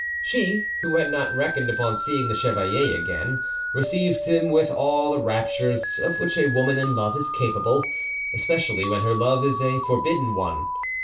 She, who had not reckoned upon seeing the chevalier again, received him with all the raptures of which a woman in love is capable, especially when her love is a forbidden one.